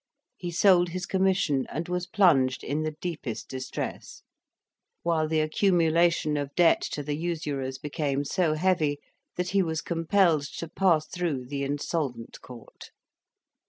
He sold his commission, and was plunged in the deepest distress; while the accumulation of debt to the usurers became so heavy, that he was compelled to pass through the Insolvent Court.